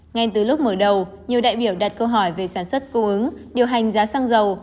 ngay từ lúc mở đầu nhiều đại biểu đặt câu hỏi về sản xuất cung ứng điều hành giá xăng dầu